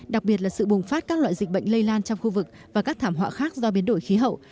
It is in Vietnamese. đặc biệt là sự bùng phát các loại dịch bệnh lây lan trong khu vực và các thảm họa khác do biến đổi khí hậu